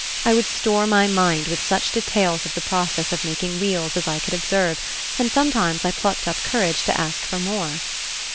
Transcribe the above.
I would store my mind with such details of the process of making wheels as I could observe, and sometimes I plucked up courage to ask for more.